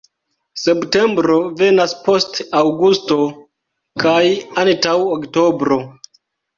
Septembro venas post aŭgusto kaj antaŭ oktobro.